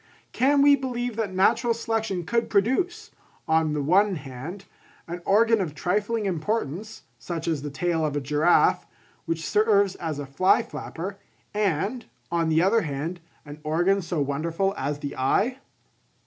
Can we believe that natural selection could produce, on the one hand, an organ of trifling importance, such as the tail of a giraffe, which serves as a fly flapper, and, on the other hand, an organ so wonderful as the eye?